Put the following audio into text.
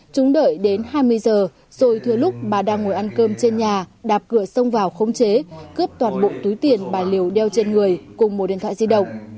chúng đợi đến hai mươi giờ rồi thuê lúc bà đang ngồi ăn cơm trên nhà đạp cửa xông vào khống chế cướp toàn bộ túi tiền bà liều đeo trên người cùng một điện thoại di động